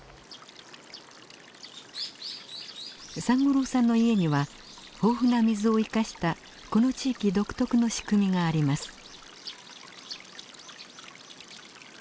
三五郎さんの家には豊富な水を生かしたこの地域独特の仕組みがあります。